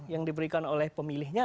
yang diberikan oleh pemilihnya